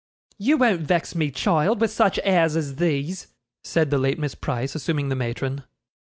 'You won't vex me, child, with such airs as these,' said the late Miss Price, assuming the matron.